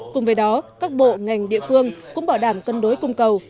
cùng với đó các bộ ngành địa phương cũng bảo đảm cân đối cung cầu